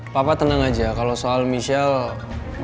papa tenang aja kalau soal michelle